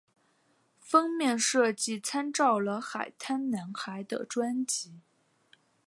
封面设计参照了海滩男孩的专辑。